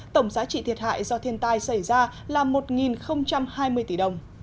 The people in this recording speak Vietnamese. tổng giá trị thiệt hại do thiên tai xảy ra là một hai mươi tỷ đồng